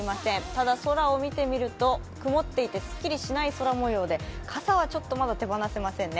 ただ空を見てみると曇っていてすっきりしない空模様で傘はちょっと手放せませんね。